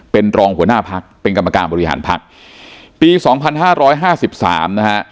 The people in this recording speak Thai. เป็นรองหัวหน้าพักเป็นกรรมการบริหารพักปีสองพันห้าร้อยห้าสิบสามนะฮะ